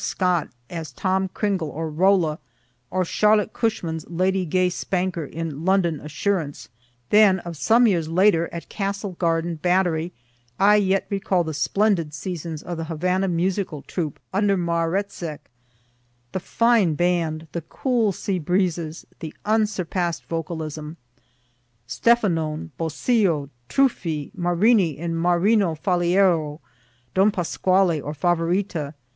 Scott as Tom Cringle or Rolla or Charlotte Cushman's Lady Gay Spanker in "London Assurance." Then of some years later, at Castle Garden, Battery, I yet recall the splendid seasons of the Havana musical troupe under Maretzek the fine band, the cool sea breezes, the unsurpass'd vocalism Steffan'one, Bosio, Truffi, Marini in "Marino Faliero," "Don Pasquale," or "Favorita."